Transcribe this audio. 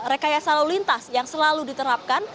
rekayasa lalu lintas yang selalu diterapkan